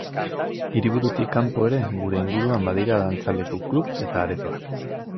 Hiriburutik kanpo ere gure inguruan badira dantzaleku, club eta aretoak.